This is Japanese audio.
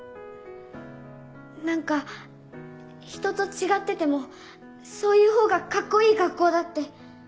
何かひとと違っててもそういうほうがカッコいい学校だって。